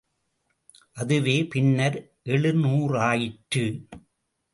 அதுவே பின்னர் ஏழுநூறாயிற்று.